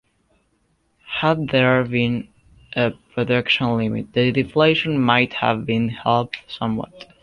Had there been a production limit, the deflation might have been helped somewhat.